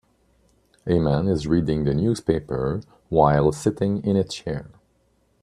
A man is reading the newspaper while sitting in a chair.